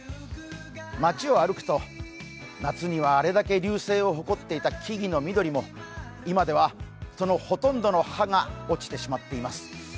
街を歩くと、夏にはあれだけ隆盛を誇っていた木々の緑も今では、そのほとんどの葉が落ちてしまっています。